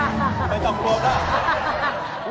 ไม่ต้องพบนะ